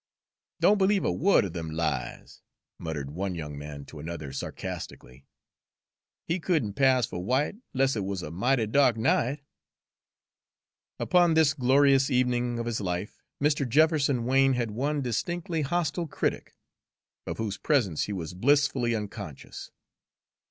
"Don't b'lieve a word er dem lies," muttered one young man to another sarcastically. "He could n' pass fer white, 'less'n it wuz a mighty dark night." Upon this glorious evening of his life, Mr. Jefferson Wain had one distinctly hostile critic, of whose presence he was blissfully unconscious.